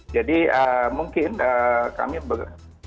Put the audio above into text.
jadi mungkin kami ber